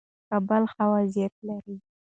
کابل ښه وضعیت لري.